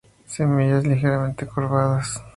Semillas ligeramente curvadas.